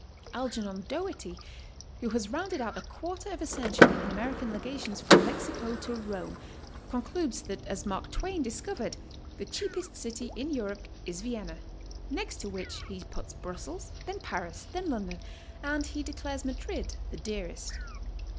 Algernon Dougherty, who has rounded out a quarter of a century in American legations from Mexico to Rome, concludes that as Mark Twain dis covered, the cheapest city in Europe is Vienna, next to which he puts Brussels, then Paris, then London, and he de clares Madrid the dearest..